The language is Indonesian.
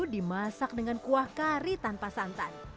dimasak dengan kuah kari tanpa santan